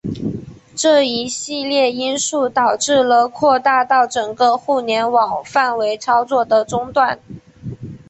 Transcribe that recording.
这一系列因素导致了扩大到整个互联网范围操作的中断。